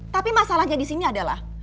tapi masalahnya disini adalah